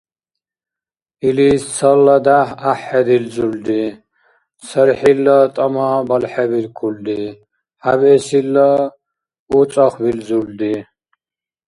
Илис цала дяхӀ гӀяхӀхӀедилзулри, цархӀилла тӀама балхӀебиркулри, хӀябэсилла у цӀахбилзулри.